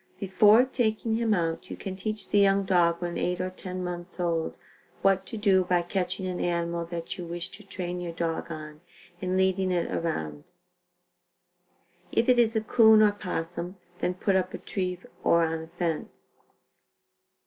"Before taking him out you can teach the young dog when 8 or 10 months old, what to do by catching an animal that you wish to train your dog on and leading it around. If it is a 'coon or opossum, then put up a tree or on a fence.